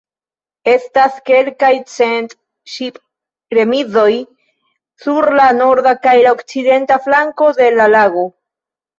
Estas kelkaj cent ŝip-remizoj sur la norda kaj okcidenta flankoj de la lago.